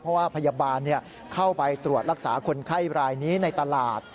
เพราะว่าพยาบาลเข้าไปตรวจรักษาคนไข้รายนี้ในตลาด